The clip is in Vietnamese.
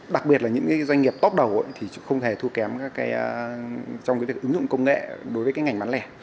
đặc biệt là những cái doanh nghiệp top đầu ấy thì không thể thua kém cái trong cái việc ứng dụng công nghệ đối với cái ngành bán lẻ